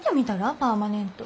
パーマネント。